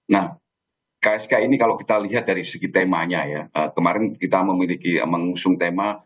nah ksk ini kalau kita lihat dari segi temanya ya kemarin kita memiliki mengusung tema